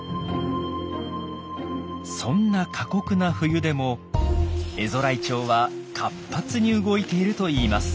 そんな過酷な冬でもエゾライチョウは活発に動いているといいます。